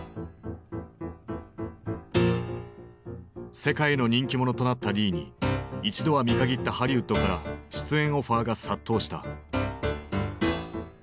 世界の人気者となったリーに一度は見限ったハリウッドから出演オファーが殺到した。